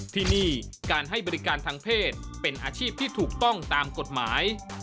ที่นี่การให้บริการทางเพศเป็นอาชีพที่ถูกต้องตามกฎหมาย